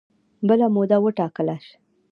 بله موده وټاکله